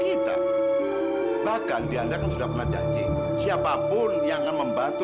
ini orang tua kamu